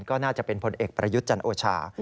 ก็น่าจะเป็นผลเอกประยุทธ์จันโอชา